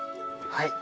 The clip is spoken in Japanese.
はい。